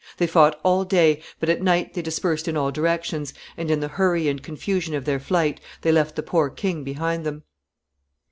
They fought all day, but at night they dispersed in all directions, and in the hurry and confusion of their flight they left the poor king behind them.